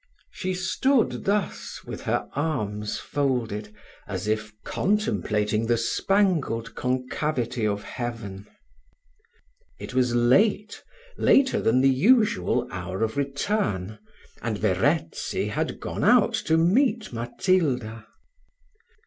She stood thus with her arms folded, as if contemplating the spangled concavity of heaven. It was late later than the usual hour of return, and Verezzi had gone out to meet Matilda.